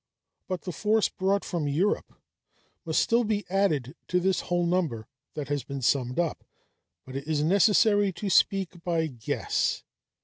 ] But the force brought from Europe must still be added to this whole number that has been summed up; but it is necessary to speak by guess.